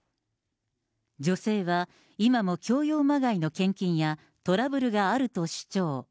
女性は今も強要まがいの献金やトラブルがあると主張。